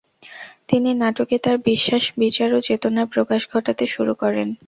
তিনি নাটকে তার বিশ্বাস, বিচার ও চেতনার প্রকাশ ঘটাতে শুরু করেন।